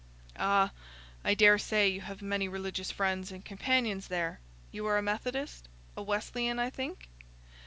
"Ah, I daresay you have many religious friends and companions there; you are a Methodist—a Wesleyan, I think?"